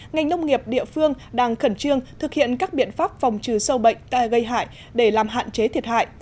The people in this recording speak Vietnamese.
ngành nông nghiệp địa phương đang khẩn trương thực hiện các biện pháp phòng trừ sâu bệnh gây hại để làm hạn chế thiệt hại